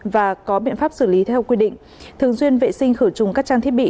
và có biện pháp xử lý theo quy định thường xuyên vệ sinh khử trùng các trang thiết bị